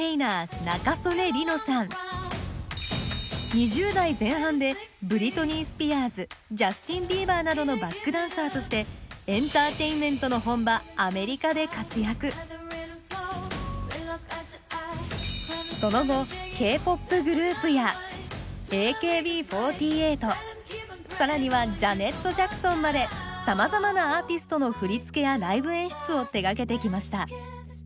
２０代前半でブリトニー・スピアーズジャスティン・ビーバーなどのバックダンサーとしてその後Ｋ−ＰＯＰグループやＡＫＢ４８更にはジャネット・ジャクソンまでさまざまなアーティストの振付やライブ演出を手がけてきました。